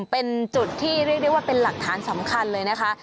เป็นจุดที่เรียกได้ว่าเป็นหลักฐานสำคัญเลยนะคะ